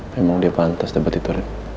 memang dia pantas dapat itu